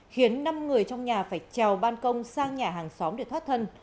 khiến năm người trong nhà phải trèo ban công sang nhà hàng xóm để thoát thân